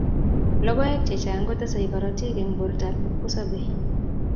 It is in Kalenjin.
Logoek chechang kotesei korotik eng bortab kipkosobei